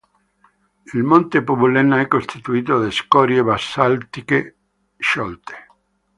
Il Monte Pubulena è costituito da scorie basaltiche sciolte.